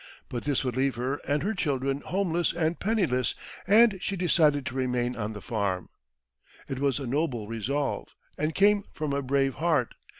But this would leave her and her children homeless and penniless, and she decided to remain on the farm. It was a noble resolve, and came from a brave heart.